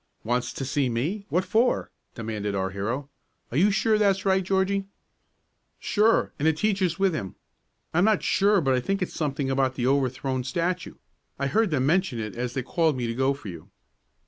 "Wants to see me what for?" demanded our hero. "Are you sure that's right, Georgie?" "Sure, and a teacher's there with him. I'm not sure but I think it's something about the overthrown statue. I heard them mention it as they called me to go for you."